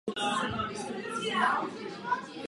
Znovu byl zemským sněmem do Říšské rady vyslán téhož roku.